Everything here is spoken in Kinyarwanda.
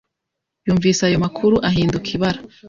Yumvise ayo makuru ahinduka ibara.